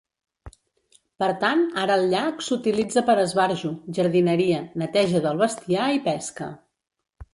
Per tant, ara el llac s'utilitza per a esbarjo, jardineria, neteja del bestiar i pesca.